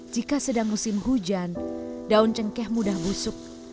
jika sedang musim hujan daun cengkeh mudah busuk